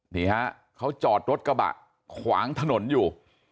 นี่ฮะเขาจอดรถกระบะขวางถนนอยู่